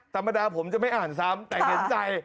ธรรมดาผมจะไม่อ่านซ้ำแต่เห็นใจ